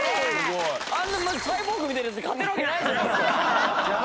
あんなサイボーグみたいなヤツに勝てるわけないじゃないですか。